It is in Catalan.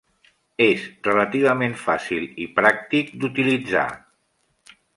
És relativament fàcil i pràctic d'utilitzar.